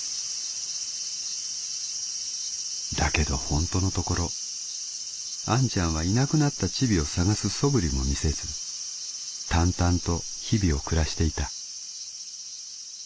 「だけどホントのところあんちゃんはいなくなったチビを探す素振りも見せず淡々と日々を暮らしていた」。